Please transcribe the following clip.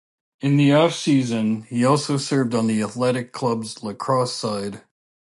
In the off-season, he also served on the athletic club's lacrosse side.